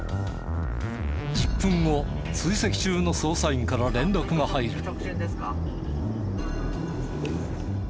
１０分後追跡中の捜査員から連絡が入る。という。